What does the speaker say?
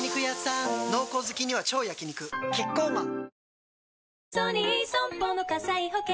濃厚好きには超焼肉キッコーマン